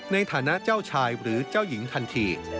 ในฐานะเจ้าชายหรือเจ้าหญิงทันที